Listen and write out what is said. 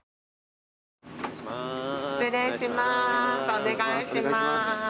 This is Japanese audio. お願いします。